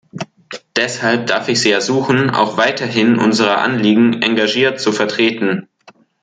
Deshalb darf ich Sie ersuchen, auch weiterhin unsere Anliegen engagiert zu vertreten.